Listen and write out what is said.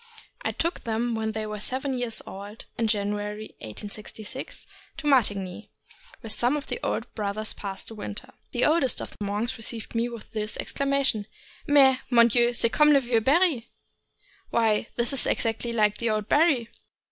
I took them when they were seven years old, in January, 1866, to Martigny, where some of the old brothers pass the winter. The oldest of the monks received me with this exclamation: "Mais, mon Dieu, c'est comme le meux Barry! " (Why, it is exactly like the old Barry!